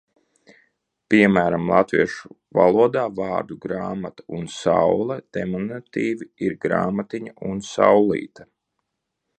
"Piemēram, latviešu valodā vārdu "grāmata" un "saule" deminutīvi ir "grāmatiņa" un "saulīte"."